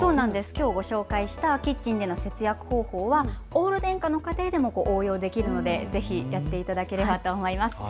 きょうご紹介した方法はオール電化の家庭でも応用できるのでぜひやっていただきたいなと思います。